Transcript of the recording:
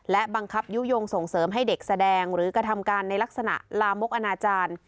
และบังคับยุโยงส่งเสริมให้เด็กแสดงหรือกระทำการในลักษณะลามกอนาจารย์